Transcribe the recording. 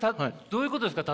どういうことですか？